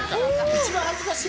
一番恥ずかしい。